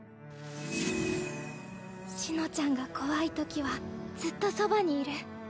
紫乃ちゃんが怖いときはずっとそばにいる。